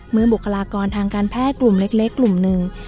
บุคลากรทางการแพทย์กลุ่มเล็กกลุ่มหนึ่ง